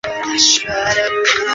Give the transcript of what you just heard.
医院官网